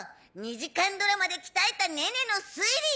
２時間ドラマで鍛えたネネの推理！